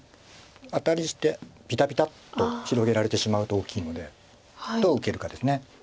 アタリしてピタピタッと広げられてしまうと大きいのでどう受けるかです。